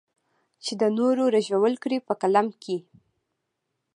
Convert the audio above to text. چې د نورو رژول کړې په قلم کې.